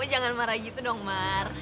jangan marah gitu dong mar